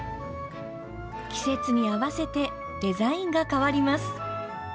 季節に合わせてデザインが変わります。